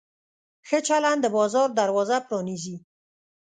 ښه چلند د بازار دروازه پرانیزي.